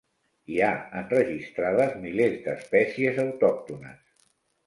Hi ha enregistrades milers d'espècies autòctones.